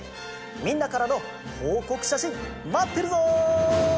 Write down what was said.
みんなからのほうこくしゃしんまってるぞ！